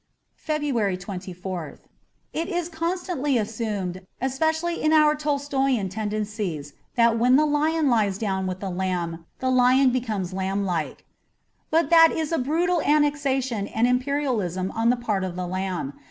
'' 59 i FEBRUARY 24th IT is constantly assumed, especially in our Tolstoian tendencies, that when the lion lies down with the lamb the lion becomes lamb like. But that is brutal annexation and imperialism on the part of the lamb.